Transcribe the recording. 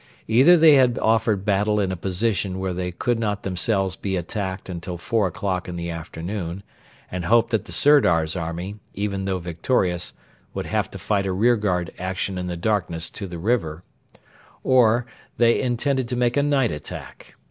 Either they had offered battle in a position where they could not themselves be attacked until four o'clock in the afternoon, and hoped that the Sirdar's army, even though victorious, would have to fight a rear guard action in the darkness to the river; or they intended to make a night attack.